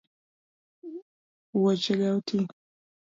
Wuoche ga otii